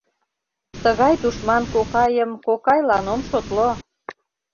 Тыгай тушман кокайым кокайлан ом шотло!